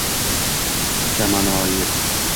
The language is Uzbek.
kama_noir